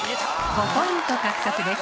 ５ポイント獲得です。